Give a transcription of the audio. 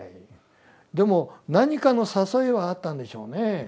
でも何かの誘いはあったんでしょうね。